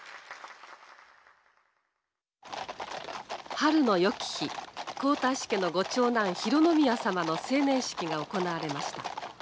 「春のよき日皇太子家のご長男浩宮さまの成年式が行われました」。